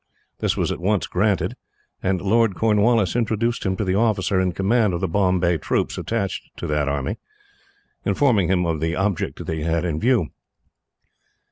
This was at once granted, and Lord Cornwallis introduced him to the officer in command of the Bombay troops attached to that army, informing him of the object that he had in view.